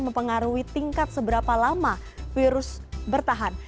mempengaruhi tingkat seberapa lama virus bertahan